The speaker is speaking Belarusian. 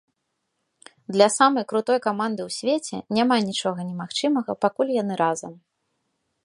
Для самай крутой каманды ў свеце няма нічога немагчымага, пакуль яны разам.